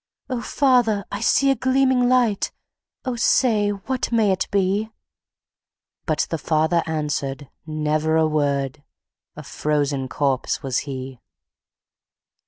"O father! I see a gleaming light, O say, what may it be?" But the father answered never a word, A frozen corpse was he.